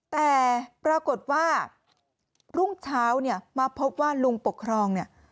แต่ปรากฏว่ารุ่งเช้าเนี่ยมาพบว่าลุงปกครองเนี่ย